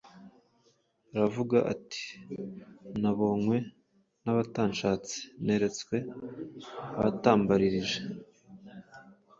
aravuga ati, “Nabonywe n’abatanshatse, neretswe abatambaririje.”